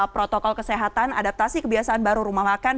protokol kesehatan adaptasi kebiasaan baru rumah makan